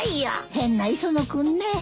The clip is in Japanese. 変な磯野君ね。